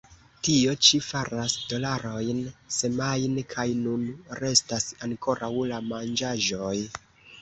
Tio ĉi faras dolarojn semajne, kaj nun restas ankoraŭ la manĝaĵoj.